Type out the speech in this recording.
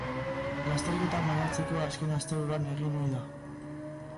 Lasterketa maiatzeko azken asteburuan egin ohi da.